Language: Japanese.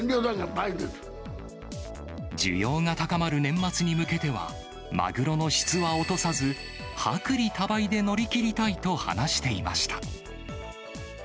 需要が高まる年末に向けては、マグロの質は落とさず、薄利多売で乗り切りたいと話していました。